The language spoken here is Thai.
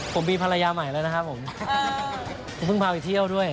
ผมมีภรรยาใหม่แล้วนะครับผมเพิ่งพาไปเที่ยวด้วย